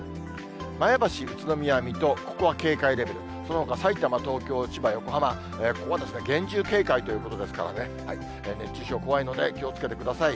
前橋、宇都宮、水戸、ここは警戒レベル、そのほか、さいたま、東京、千葉、横浜、ここは厳重警戒ということですからね、熱中症怖いので、気をつけてください。